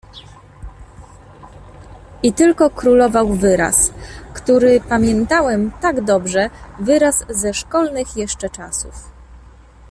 "I tylko królował wyraz, który pamiętałem tak dobrze, wyraz ze szkolnych jeszcze czasów."